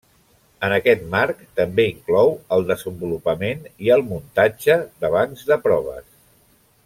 En aquest marc també inclou el desenvolupament i el muntatge de bancs de proves.